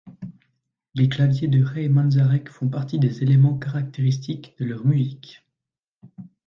Les claviers de Ray Manzarek font partie des éléments caractéristiques de leur musique.